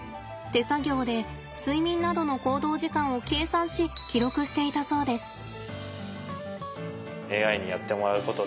手作業で睡眠などの行動時間を計算し記録していたそうです。